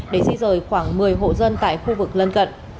để di rời khoảng một mươi hộ dân tại khu vực lân cận